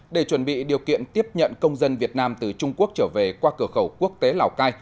để chuẩn bị điều kiện tiếp nhận công dân việt nam từ trung quốc trở về qua cửa khẩu quốc tế lào cai